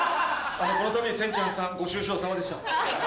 このたびせんちゃんさんご愁傷さまでした。